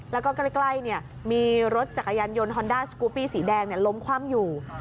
แล้วก็ใกล้มีรถจักรยานยนต์ฮอนด้าสกูปปี้สีแดงล้มคว่ำอยู่